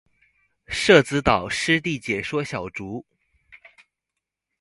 社子島濕地解說小築